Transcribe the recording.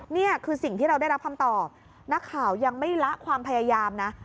นี่คือสิ่งที่เราได้รับคำตอบนักข่าวยังไม่ละความพยายามนะ